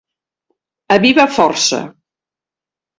A viva força.